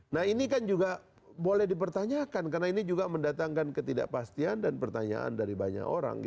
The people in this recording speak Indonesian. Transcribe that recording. nah ini kan juga boleh dipertanyakan karena ini juga mendatangkan ketidakpastian dan pertanyaan dari banyak orang